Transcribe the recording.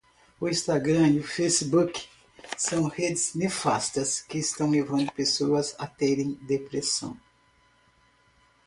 O Instagram e Facebook são redes nefastas que estão levando pessoas a terem depressão